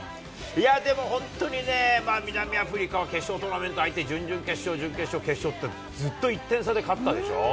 いやぁ、でも、本当にねぇ、まあ南アフリカは決勝トーナメント、相手に準々決勝、準決勝、決勝って、ずっと１点差で勝ったでしょ。